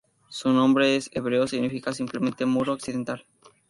Su nombre en hebreo significa simplemente "muro occidental".